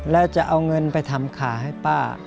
แล้วจะเอาเงินไปทำขาให้ป้า